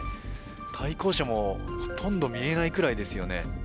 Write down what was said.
対向車もほとんど見えないくらいですよね。